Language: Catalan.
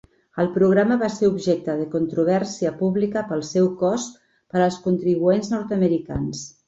El programa va ser objecte de controvèrsia pública pel seu cost per als contribuents nord-americans.